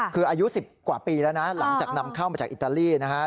คืออายุ๑๐กว่าปีแล้วนะหลังจากนำเข้ามาจากอิตาลีนะฮะ